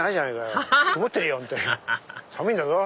寒いんだぞ。